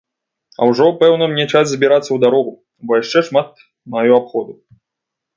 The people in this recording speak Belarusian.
А ўжо пэўна мне час збірацца ў дарогу, бо яшчэ шмат маю абходу.